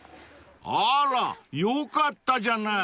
［あらよかったじゃない］